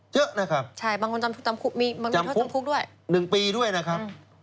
เยอะนะครับจำคุก๑ปีด้วยนะครับ